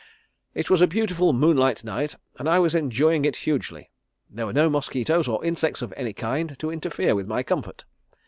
It was a beautiful moonlight night and I was enjoying it hugely. There were no mosquitoes or insects of any kind to interfere with my comfort.